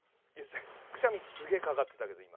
くしゃみすげえかかってたけど今。